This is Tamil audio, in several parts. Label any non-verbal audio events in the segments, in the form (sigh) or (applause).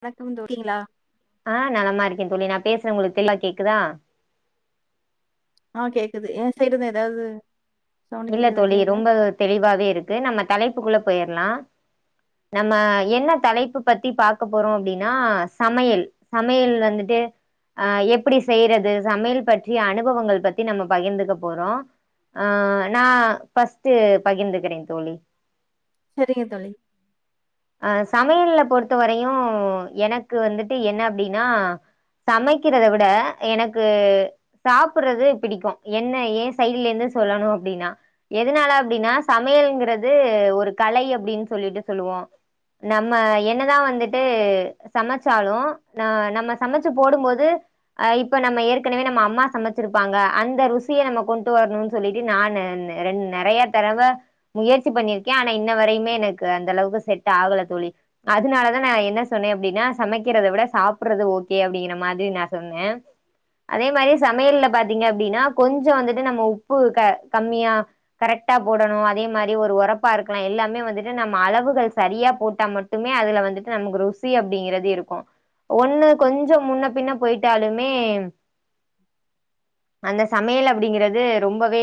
வணக்கம் தோ க்கிங்ளா ஆஹ் நலமா இருக்கே தோழி நா பேசுற உங்களுக்கு எல்லா கேக்குதா ஆஹ் கேக்குது ஏ சைடுதா ஏதாவது சவுண்ட் இல்ல கேக்குதா தோழி இல்லைல்ல ரொம்ப தெளிவாவே இருக்கு நம்ம தலைப்புகுள்ள போயிரலா நம்ம என்ன தலைப்பு பத்தி பாக்க போறோ அப்டின்னா சமையல் சமையல் வந்துட்டு ஆஹ் எப்படி செய்யறது சமையல் பற்றிய அனுபவங்கள் பத்தி நம்ம பகிர்ந்துக்க போறோ ஆஹ் நா ஃபஸ்ட்டு பகிர்ந்துக்கிறே தோழி சரிங்க தோழி அஹ் சமையல்ல பொறுத்தவரையு எனக்கு வந்துட்டு என்ன அப்டின்னா சமைக்கிறத விட எனக்கு சாப்பறது பிடிக்கும் என்ன ஏ சைட்ல இருந்து சொல்லணு அப்டின்னா எதுனால அப்டின்னா சமையல்ங்கிறது ஒரு கலை அப்டின்னு சொல்லிட்டு சொல்லுவோ நம்ம என்னதா வந்துட்டு சமச்சாலு ந நம்ம சமச்சு போடும்போது அஹ் இப்ப நம்ம ஏற்கனவே நம்ம அம்மா சமைச்சிருப்பாங்க அந்த ருசிய நம்ம கொண்டு வரணுனு சொல்லிட்டு நான்னு நெ நெறையா தரவ முயற்சி பண்ணிருக்கே ஆனா இன்ன வரையுமே எனக்கு அந்த அளவுக்கு செட் ட் ஆகல தோழி அதனாலதா நா என்ன சொன்னே அப்டின்னா சமைக்கிறத விட சாப்படுறது ஓகே அப்டிங்கிற மாதி நா சொன்னே அதே மாரி சமையல்ல பாத்தீங்க அப்டின்னா கொஞ்ச வந்துட்டு நம்ம உப்பு கம்மியா கரெக்டா போடணு அதே மாரி ஒரு ஒரப்பா இருக்கலா எல்லாமே வந்துட்டு நம்ம அளவுகள் சரியா போட்டா மட்டுமே அதுல வந்துட்டு நமக்கு ருசி அப்படிங்கிறது இருக்கு ஒண்ணு கொஞ்ச முன்ன பின்ன போயிட்டாலுமே அந்த சமையல் அப்படிங்கிறது ரொம்பவே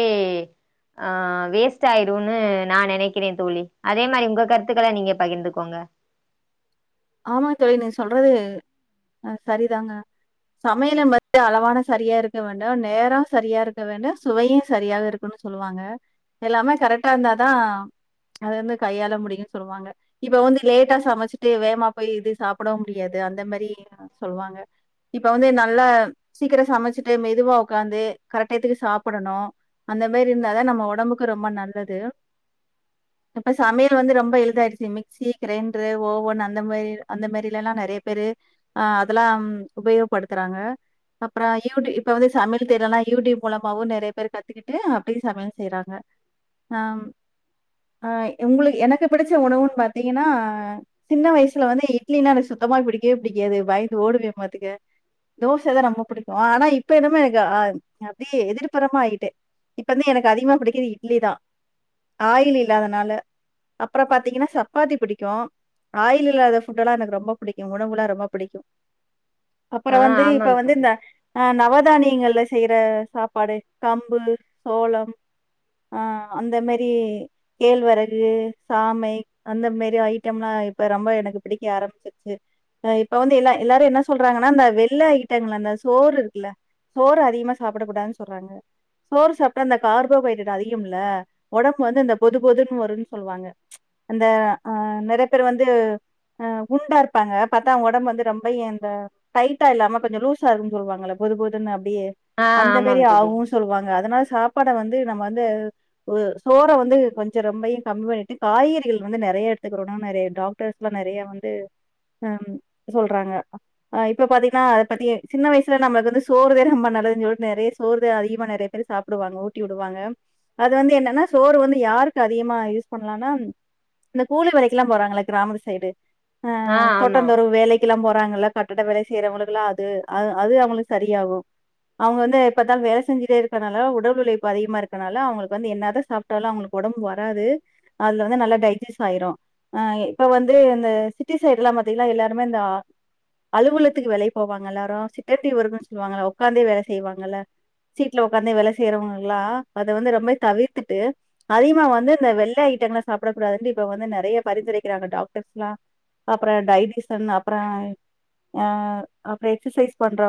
ஆஹ் வேஸ்ட் ஆயிருன்னு நா நெனைக்கிறே தோழி அதே மாரி உங்க கருத் த்துக்கள நீங்க பகிர்ந்துக்கோங்க ஆமா தோழி நீங்க சொல்றது அஹ் சரிதாங்க சமையல வந்து அளவான சரியா இருக்க வேண்டு நேரம் சரியா இருக்க வேண்டு சுவையு சரியாக இருக்குனு சொல்லுவாங்க எல்லாமே கரெக்டா இருந்தாதா அது வந்து கையாள முடியுன்னு சொல்லுவாங்க இப்ப வந்து லேட்டா சமைச்சிட்டு வேமா இப்ப இது சாப்பிவு ட முடியாது அந்த மாரி சொல்வாங்க இப்ப வந்து நல்லா சீக்கிர சமைச்சிட்டு மெதுவா உக்காந்து கரெட் டைத்துக்கு சாப்பிடணு அந்த மாரி இருந்தாதா நம்ம ஒடம்புக்கு ரொம்ப நல்லது இப்ப சமையல் வந்து ரொம்ப எளிதாயிடுச்சு மிக்சி கிரைண்டரு ஓவன் அந் அந்த மாரி அந்த மாரில்லலா நெறைய பேரு ஆஹ் அதெல்லா உபயோகப்படுத்துறாங்க அப்புறோ யூடி இப்ப வந்து சமையல் தெர்லனா யூடியூப் மூலமாவு நெறைய பேர் கத்துக்கிட்டு அப்படியே சமையல் செய்றாங்க ஆஹ் உங்களுக் எனக்கு பிடிச்ச உணவுன் பாத்தீங்கன்னா சின்ன வயசுல வந்து இட்லின்னா எனக்கு சுத்தமா பிடிக்கவே பிடிக்காது பயந்து ஓடுவே பாத்துக்க தோசதா ரொம்ப புடிக்கு ஆனா இப்ப என்னமே எனக்கு அஹ் அப்படியே எதிர்ப்புறமா ஆயிட்டே இப்ப வந்து எனக்கு அதிகமா பிடிக்கது இட்லி தா ஆயில் இல்லாதனால அப்புறம் பாத்தீங்கன்னா சப்பாத்தி பிடிக்கு ஆயில் இல்லாத ஃபுட்டெல்லா எனக்கு ரொம்ப பிடிக்கு உணவுல்லா ரொம்ப பிடிக்கு அப்பறோ ஆ வந்து இப்ப ஆமாம் வந்து தோழி இந்த ஆஹ் நவ தானியங்கள்ல செய்யற சாப்பாடு கம்பு சோளம் ஆஹ் அந்த மேரி கேழ்வரகு சாமை அந்த மேரி ஐட்டம்லா இப்ப ரொம்ப எனக்கு பிடிக்க ஆரம்பிச்சிருச்சுஅ இப்ப வந்து எல்லா எல்லாரு என்ன சொல்றாங்கன்னா அந்த வெள்ள ஐட்டங்கள அ சோறு இருக்குல சோறு அதிகமா சாப்பிடக்க கூடாதுன் சொல்றாங்க சோறு சாப்டா அந்த கார்போஹைட்ரேட் அதிகம்ல்ல ஒடம்பு வந்து இந்த பொது பொதுன்னு வருன்னு சொல்லுவாங்க அந்த ஆஹ் நெறய பேரு வந்து ஆஹ் குண்டா இருப்பாங்க பாத்தா ஒடம்பு வந்து ரொம்ப இந்த டைட்டா இல்லாம கொஞ்சம் லூஸா இருக்குன் சொல்லுவாங்கள பொதுபொதுன்னு டியே ஆ அந்த மேரி ஆமாம் தோழி ஆவுன் சொல்லுவாங்க அதனால சா ப்பாட வந்து நம்ம வந்து உ சோற வந்து கொஞ்சோ ரொம்பையு கம்மி பண்ணிட்டு காய்கறிகள் வந்து நெறைய எடுத்துக்கிறோ நெறய டாக்டர்ஸ்லா நெறய வந்து அம் சொல்றாங்க ஆஹ் இப்ப பாத்தீங்கன்னா பத்தி சின்ன வயசுல நம்ம வ சோறுதா ரொம்ப நல்லதுனு சொல்லிட்டு நெறய சோறு அதிகமா நெறய பேரு சாப்டுவாங்க ஊட்டி விடுவாங்க அது வந்து என்னனா சோறு வந்து யாருக்கு அதிகமா யூஸ் பண்ணலானா இந்த கூலி ல்லா போறாங்கள கிராமத் சைடு ஆ ஆஹ் ஆமா தோட்டந் தொறவு வேலைக்குல்லாம் போ றாங்கல்ல கட்டட வேலை செய்யறவங்களுக்குல்லா அது அ அது அவங்களுக்கு சரியாகும் அவங்க வந்து எப்த்தாலு வேலை செஞ்சுட்டே இருக்கனால உடல் உழைப்பு அதிகமா இருக்கனால அவங்களுக்கு வந்து என்னாத சாப்பிட்டாலு அவங்களுக்கு உடம்பு வராது அதுல வந்து நல்லா டைஜஸ்ட் ஆயிரும் ஆஹ் இப்ப வந்து இந்த சிட்டி சைட் எல்லாம் பாத்தீங்கன்னா எல்லாருமே இந்த அலுவலத்துக்கு வேலைக்கு போவாங்க எல்லாரும் செக்கரற்றி வர்க்குன்னு சொல்லுவாங்க உக்காந்தே வேலை செய்வாங்கல்ல சீட்ல உக்காந்தே வேலை செய்யறவங்களல்லா அதை வந்து ரொம்ப தவிர்த்துட்டு அதிகமா வந்து இந்த வெள்ளை ஐட்டங்களை சாப்பிடக்க கூடாதுண்டு இப்ப வந்து நெறைய பந்துரைக்கிற டாக்டர்ஸ்லா அப்ற டைஜஷன் அப்ற அ அப்ற எக்சசைஸ் பண்ற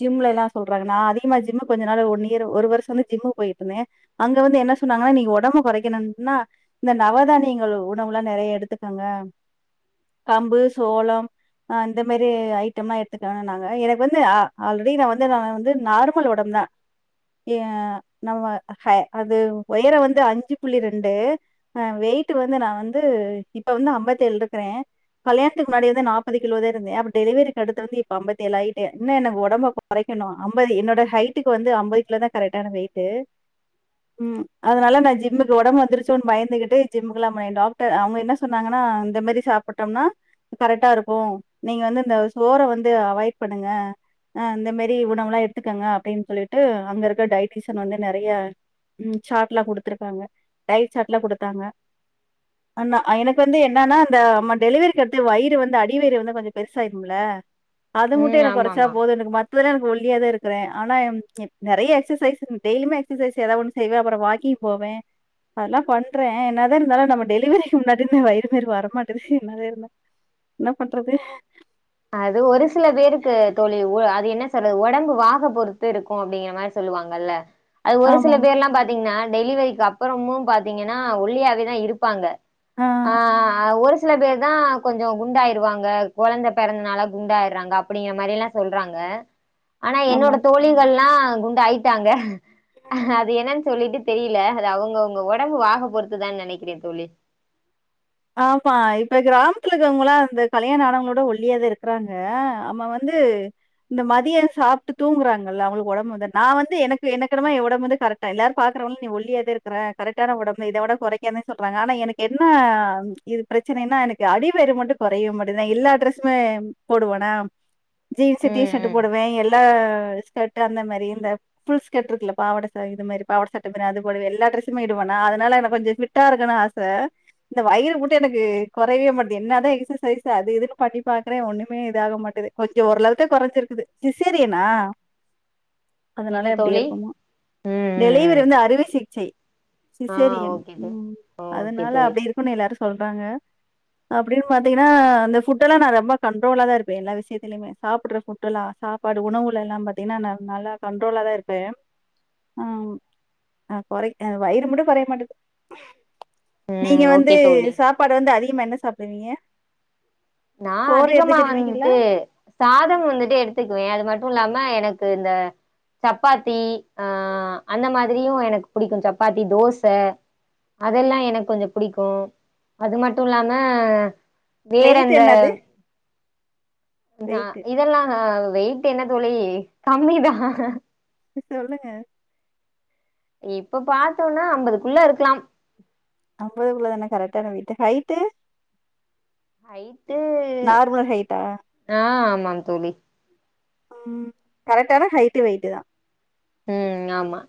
ஜிம்ல எல்லாம் சொல்றாங்க நா அதிகமா ஜிம்மு கொஞ்ச நாள் ஒன்ன இயர் ஒரு வருஷம் வந்து ஜிம்முக்கு போயிட்டு இருந்தேன் அங்க வந்து என்ன சொன்னாங்கா நீங்க உடம்பு குறைக்கனுனா இந்த நவதானியங்கள் உ ரொம்ப நெறய எடுக்குதுகுங்க கம்பு சோளம் ஆஹ் இந்த மேரி ஐட்டமா எடுத்துக்கணுனாங்க எனக்கு வந்து அஹ் ஆல்ரெடி நா வந்து நா வந்து நார்மல் ஒடம்புதா ஏ நா வ ஹை ஒயரம் வந்து அஞ்சு புள்ளி ரெண்டு வெய்ட்டு வந்து நா ந்து இப்ப வந்துஅம்பத்தேழு இருக்கற கல்யாணத்துக்கு முன்னாடி வந்து நாப்பது கிலோதா இருந்தே அப்ப டெலிவரிக்கு அடுத்து வந்து இப்ப ஐம்பத்தேழு ஆயிட்டே இன்ன எனக்கு ஒடம்ப கொறைக்கணு மஅம்பது என்னோட ஹைட்டுக்கு வந்து ஐம்பது கிலோதா கரெக்டான வெயிட்டு உம் அதனால ம் நான் ஓகே ஜிம்முக்கு தோழி ஒடம்பு வந்துரு சூன் பயந்துகிட்டு (unintelligible) அவங்க என்ன சொன்னாங்கன்னா இந்த மாதி சாப்பிட்டோம்னா கரெக்டா இருக்கும் நீங்க வந்து இந்த சோற வந்து அவாய்ட் பண்ணுங்க ஹ இந்த மாதி உணவுலாம் எடுத்துக்கோங்க அப்படனு சொல்லிட்டு அங்க இருக்க டைஜுசியன் வந்து நறைய சார்ட்லா குடுத்துருக்காங்க ட்யட் சார்ட்லா குடுத்தாங்க அண்ணா எனக்கு வந்து என்னன்னா அந்த அம்மா டெலிவரிக்கு அடுத்து வயிறு வந்து அடிவயிறு வந்து கொஞ்ச பெருசாயிரூம்ல அதுமுட்டு ம் எனக்கு கொறச்சா ஆமாமா போது எனக்கு மத்ததுல்லாம் எனக்கு ஒல்லியா தா இருக் ஆனா நெறைய எக்சசைஸ் டெய்லிமே எக்சசைஸ் ஏதா ஒண்ணு செய்வேன் அப்புறம் வாக்கிங் போவேன் அதெல்லாம் பண்றேன் என்னதான் இருந்தாலும் நம்ம டெலிவரிக்கு முன்னாடி இருந்து வயிறு மேறி வர மாட்டேது என்னதான் இருந்த என்ன பண்றது அது ஒரு சில பேருக்கு தோழி ஊ அது என்ன சொல்றது உடம்பு வாக பொறுத்து இருக்கும் அப்டிங்கிற மாரி சொல்லுவாங்கல்ல அது ஒரு சில ஆமாமா. பேர்ல்லாம் பாத்தீங்கன்னா டெலிவரிக்கு அப்புறமும் பாத்தீங்கன்னா ஒல்லியாவேதான் இருப்பாங்க ஆ ஆ ஒரு சில சில பேர் தான் கொஞ்ஜோ குண்டாயிருவாங்க குழந்த பெறந்தனால குண்டாயிறாங்க அப்படிங்கிற மாரில்லா சொல்றாங்க ஆனா என்னோட ஆமா. தோழிகல்லா குண்டாயிட்டாங்க அது என்னன் சொல்லிட்டு தெரில அது அவங்க அவங்க ஒடம்பு வாக பொறுத்துதான்னு நெனைக்கிறே தோழி ஆமா இப்ப கிராமத்துல இருக்கவங்களா இந்த கல்யாண ஆணவங்களோட ஒல்லியாத இருக்றாங்க நம்ம வந்து இந்த மதியன் சாப்ட்டு தூங்குறாங்கல்ல அவங்ளுக்கு ஒடம்பு வந்து நா வந்து எனக்கு எனக்கென்னமோ எ ஒடம்பு வந்து கரட்டா இல்ல எல்லாரூ பாக்குறவன்ளீ நீ ஒல்லியாத இருக்குற கரெட்டான ஒடம்பு இத விட குறைக்காத சொல்றாங்க ஆனா எனக்கு என்ன இது பிரச்சனைன்னா எனக்கு அடிவையிரு மட்டூ கொறைய மாட்டுது நா எல்லா ட்ரஸுமே போடுவனா ஜீன்ஸ்ஸு டீ ம் ஷர்ட்டு ம் போடுவே எல் த ஸ்கர்ட்டு அந்த மாரி இந்த ஃபுல் ஸ்கர்ட் இருக்குல பாவாட ஸ இது மாறி பாவாட சட்ட மாறி அதுபோல எல்லா டிரஸ்க்மே இடுவனா அதுனால எனக்கு கொஞ்சோ ஃபிட்டா இருக்கனு ஆச இந்த வயிறு மூட்டே எனக்கு கொறையவே மாட்டின் என்ன தா எக்ஸசைஸ் அது இதுன்னு பண்ணி பாக்குறே ஒண்ணுமே இது ஆக மாட்டேது கொஞ்சோ ஓரளவுக்கு கொறஞ்சிருக்குது சிசேரியனா அதனால என்ன எப்படியா தோழி இருக்குமோ ம் ம் டெலிவரி ம் வந்து அறுவை சிகிச்சை ஆ சிசேரியன் ஓகே தோ ஓகே அதனால தோழி அப்படி இருக்குனு எல்லாரு சொல்றாங்க அப்படின்னு பாத்தீங்கன்னா இந்த ஃபுட் எல்லா நா ரொம்ப கண்ட்ரோலா தா இருப்ப எல்லா விஷயத்திலயுமே சாப்பிற ஃபுட் எல்லா சாப்பாடு உணவுலல்லா பாத்தீங்கன்னா நல்லா கண்ட்ரோலா தா இருப்ப ஆஹ் குறை வயிறு மட்டு குறைய மாட்டேது நீங்க ம் வந்து ஓகே தோழி வந்து அதிகமா என்ன சாப்டுவீங்க நான் அதிகமா வந்துட்டு சாதம் வந்துட்டு எடுத்துக்குவேன் அது மட்டும் இல்லாம எனக்கு இந்த சப்பாத்தி ஆஹ் அந்த (unintelligible) எனக்கு புடிக்கும் சப்பாத்தி தோசை அதெல்லாம் எனக்கு கொஞ்ச புடிக்கும் அது மட்டு இல்லாம வேறங் வெயிட் என்னது நா வெயிட்டு. இதல்லாம் நா வெயிட் என்ன தோழி கம்மிதான் சொல்லுங்க இப்ப பாத்ததோம்னா ஐம்பதுக்குள்ள இருக்கலாம் ஐம்பதுக்குள்ள தானே கரெக்டான வெயிட்டு ஹைட்டு ஹைட்டு நார்மல் ஹைட்டா? ஆஹ ஆமாங் தோழி. கரெக்டான ஹைட்டு் வெய்ட்டு தான். உம் ஆமா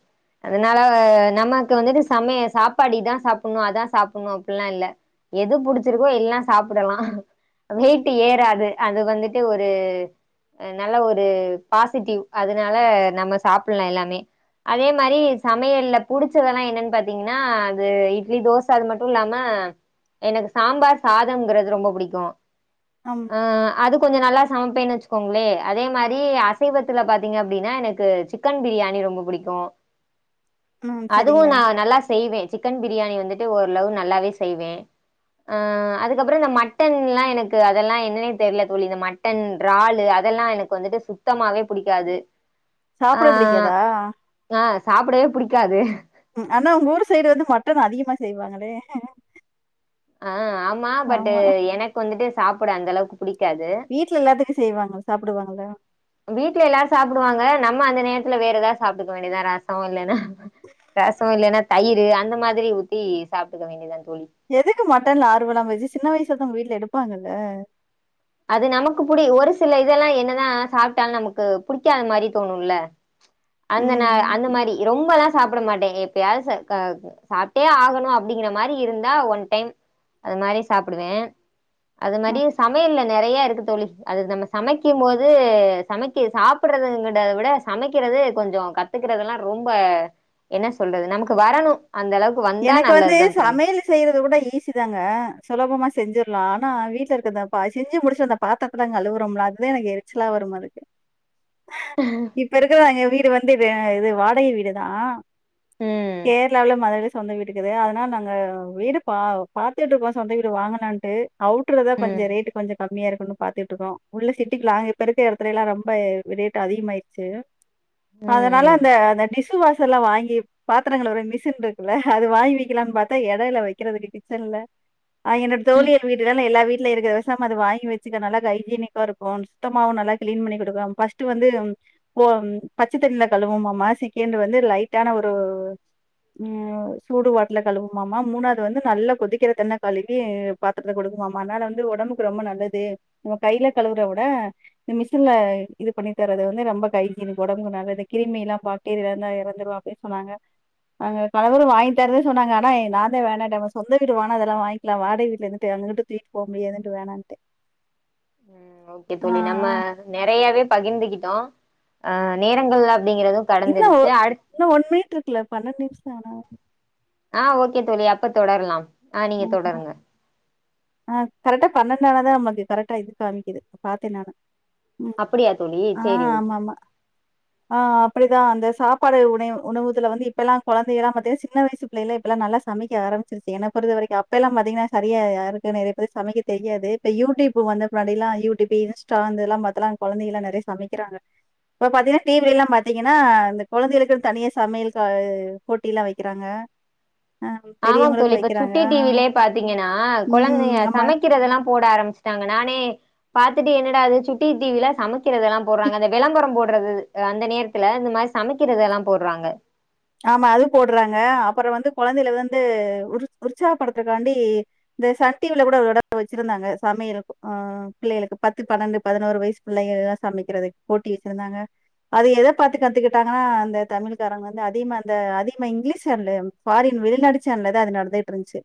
அதனால நமக்கு வந்துட்டு சமையல் சாப்பாடு இதுதான் சாப்பிடணும் அதான் சாப்பிடணும் அப்படினுயெல்லாம் இல்ல. எது புடிச்சிருக்கோ எல்லாம் சாப்பிடலாம் வெயிட் ஏறாது அது வந்துட்டு ஒரு நல்ல ஒரு பாசிட்டிவ் அதனால நம்ம சாப்பிட்டு. ப்பிடலாம் எல்லாமே. அதே மாதிரி சமையல்ல புடிச்சதெல்லாம் என்னன்னு பாத்தீங்கன்னா அது இட்லி தோசை அது மட்டும் இல்லாம எனக்கு சாம்பார் சாதம்ங்கிறது ரொம்ப பிடிக்கும். அம். அஹ் அது. கொஞ்சம் நல்லா சமப்பேனு வச்சுக்கோங்களே. அதே மாதிரி அசைவத்துல பாத்தீங்க அப்படின்னா எனக்கு சிக்கன். சிக்கன் பிரியாணி ரொம்ப பிடிக்கும். ம். சரிங்க. அதுவும் நான் நல்லா செய்வேன் சிக்கன் பிரியாணி வந்து. ட்டு ஓரளவு நல்லாவே செய்வேன். அஹ் அதுக்கப்புறம் இந்த மட்டன் எல்லாம் எனக்கு அதெல்லாம் என்னன்னே தெரியல தோழி இந்த மட்டன் றாலு அதெல்லாம் எனக்கு வந்துட்டு சுத்தமாவே பிடிக்காது. சாப்பிட பிடிக்காதா. சாப்டவே புடிக்காது ஆனா உங்க ஊர் சைடு வந்து மட்டன் அதிகமா. செய்வாங்களே. அஹ ஆமா பட்டு் எனக்கு வந்துட்டு. சாப்பிட அந்தளவுக்கு. வீட்டுல எல்லாத்துக்கும் செய்வாங்க சாப்பிடுவாங்கள வீட்டுல எல்லாரும் சாப்பிடுவாங்க நம்ம அந்த நேரத்துல வேற ஏதாவது சாப்பிடுக்க வேண்டியதா ரசம் இல்லைன்னா. ரசம் இல்லைன்னா தயிர். அந்த மாதிரி ஊத்தி சாப்பிட்டுக்க வேண்டியதான். எதுக்கு மட்டன்ல ஆறுவமில்லாம போச்சு. சின்ன வயசு. டதும் உங்க வீட்ல எடுப்பாங்கல்ல. அது நமக்கு புடி ஒரு சில இதெல்லாம் என்னதான் சாப்பிட்டாலும் நமக்கு புடிக்காத மாதிரி தோணும்ல. அந்த நா ம். அந்த மாதிரி ரொம்பல்லாம். சாப்பிட மாட்டேன். எப்பயாவது சாப்பிட்டே ஆகணும் அப்படிங்கிற மாதிரி இருந்தா ஒன் டைம் அது மாதிரி சாப்பிடுவேன். அது அ. மாதிரி சமையல்ல நெறைய இருக்கு. தோழி அது நம்ம சமைக்கும் போது சமைக்க சாப்பிடுறது விட சமைக்கிறது. கொஞ்சம் கத்துக்கிறதெல்லாம் ரொம்ப என்ன சொல்றது நமக்கு வரணும். அந்த அளவுக்கு வந்தா எனக்கு வந்து நல்லதுதான் தோழி சமையல் செய்யறது கூட ஈஸி தாங்க சுலபமா செஞ்சிரு. ஆனா வீட்டுல இருக்குறத செஞ்சு முடிஞ்சு அந்த பாத்திரத்தை எல்லாம் அழுவுறோம்லா அதுதான் எனக்கு எரிச்சலா வருமா இருக்கு. இப்ப இருக்கிறதாங்க. வீடு வந்து வ இது வாடக வீடு தா ம் கேரளாவுல. (unintelligible) சொந்த வீட்டுக்குது அதனால நாங்க வீடு பா பாத்துட்டு இருக்கோ. சொந்த வீடு வாங்கலான்ட்டு. அவுட்டர்தா கொஞ்சொ ம் ரேட்டு கொஞ்ச கம்மியா இருக்குன்னனு பாத்துட்டு இருக்கோ. உள்ள சிட்டிக்குல்லா இப்ப இருக்கற இடத்துல எல்லா ரொம்ப ரேட் அதிகமா ஆயிடுச்சு. ம் அதனால ம் அந்த அந்த டிஸ்வாசர்ல்லா வாங்கி பாத்திர கழுவுற மெஷின்து அது வாங்கி வைக்கலாம்னு பாத்தா எடோ இல்ல வைக்கிறதுக்கு கிச்சன்ல ஆஹ என்னோட தோழிகள் வீடுகள்லா நா எல்லா வீட் வீட்ல இருக்க பெசாம அத வாங்கி வச்சுக்கலா நல்ல ஹைஜீனிக்கா இருக்கு சுத்தமாவு நல்லா கிளீன் பண்ணி கொடுக்கு ஃபஸ்ட் வந்து ஒ பச்சைத்தண்ணில கழுவோமாம செகண்ட் வந்து லைட்டான ஒரு உம் சூடு வாட்டல கழுவுமாமா மூணாவது வந்து நல்லா கொதிக்கிற தண்ணில கழுவி பாத்திரத்த கொடுக்குமாமா அதனால வந்து ஒடம்புக்கு ரொம்ப நல்லது உங்க கையில கழுவுற விட இந்த மிஷின்ல இது பண்ணி தர்றது வந்து ரொம்ப ஹைஜீனிக்கோடா ஒடம்புக்கு நல்லது கிருமில பாக்டீரியா இருந்த இறந்துரு அப்டின்னு சொன்னாங்க அவங்க கணவரு வாங்கிதரேன்தா சொன்னாங்க ஆனா நான்தா வேணாட்ட சொந்த வீடு வாங்குன இதெல்லா வாங்கலா வாடக வீட்டுல இருந்துட்டு அங்ககிட்ட தூக்கிட்டு போக முடியாதுன்ட்டு வேணான்ட்டே உம் ஓகே ஆ தோழி நம்ம ஆ நறையாவே பகிர்ந்துகிட்டோ அஹ் நேரங்கள்லா இன்னு இன்னு ஒன் மினுட் ருக் பன்னெண்டு நிமிஷதானா ஆஹ் ஓகே தோழி அப்ப தொடர்லா ஆஹ் நீங்க தொடருங்க ஆஹ் கரெக்ட்ட பண்ணட்டானா தா நம்மளுக்கு கரெக்டா இது காமிக்குது பாத்தே நானு உம் அப்படியா தோழி சேரி ஆஹ் ஓகே ஆமாமா ஆஹ் அப்டிதா அந்த சாப்பாடு உணை உணவுதுலா வந்து இப்பல்லா கொழந்தையெல்லா பாத்தீங்கன்ன சின்ன வயசு பிள்ளைல்லா இப்போலா சமைக்க ஆரம்பிச்சிருச்ச ஏன பொதுற வரைக்கு அப்பயெல்லா பாத்தீங்கன்னா சரியா யாருக்கு நறைய பேருக்கு சமைக்க தெரியாது இப்ப யூடியூப் வந்த முன்னாடி எல்லா யூடியூப் இன்ஸ்டா இந்த இதெல்லா பாத்து கொழந்தங்களா நறைய சமைக்கிறாங்க இப்ப பாத்தீங்கன்னா டிவலா பாத்தீங்கன்னா இந்த கொழந்தைகளுக்குனு தனிய சமையல் க போட்டியெல்லா வைக்கிறாங்க ஆ ஆமாம் பெரியவங்களுக்கு தோழி வை இப்ப வைக்கிறாங்க. சுட்டி டிவிலயே பாத்தீங்கன்னா ம். கொழந்தைங்க ஆமா. சமைக்கிறதெல்லா போட ஆரம்பிச்சுட்டாங்க நானே ம் பாத்துட்டு என்னடா இது சுட்டி டிவிலா சமைக் கிறதுல போடுறாங்க அந்த விளம்பரம் போட் றது அந்த நேரத்துல இந்த மாரி சமைக்கிறதுதல போடுறாங்க ஆமா அது போடுறாங்க அப்புற வந்து கொழந்தையில வந்து உற் உற்சாகப்படுத்துக்காண்டி இந்த சட்டியவுல கூட ஒரு தடவ வச்சிருந்தாங்க சமையல் ஆஹ் பிள்ளைகளுக்கு பத்து பன்னெண்டு பதினோரு வயசு பிள்ளைகள சமைக்கிறது போட்டி வச்சிருந்தாங்க அது எத பாத்து கத்துக்கிட்டாங்கன்னா அந்த தமிழ்காரங்க வந் இந்த அதிகமா இந்த அதிகமா இங்கிலீஷ் சேனல் ஃபாரின் வெளிநாடு சேனல் அது நடத்துட்டு இருந்துச்சு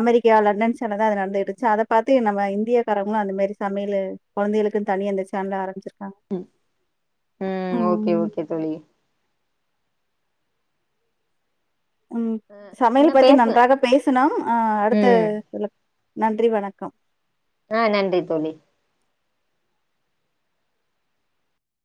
அமெரிக்கா லண்டன் சேனலதா அது நடந்துட்டு இருச்சு அத பாத்தி நம்ம இந்தியாக்காரங்களு அந்தமாரி சமையல் குழந்தைகக்குனு தனியா அந்த சேனல ஆரம்பிச்சிருக் உம் ஊஹ் ஓகே ம் ஓகே தோழி உம் சமையல் இன்னு பத்தி பேசல நன்றாக பேசுனோ ஆ அடுத்த ம் இல நன்றி வணக்கம் ஆஹ் நன்றி தோழி